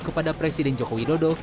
kepada presiden jokowi dodo